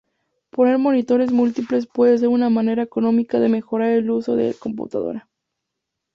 Poner monitores múltiples puede ser una manera económica de mejorar el uso de computadora.